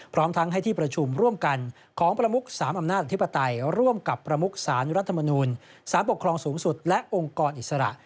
พร้อมทั้งให้ที่ประชุมร่วมกันของประมุก๓อำนาจอธิปไตยร่วมกับประมุกสารรัฐมนูลสารปกครองสูงสุดและองค์กรอิสระ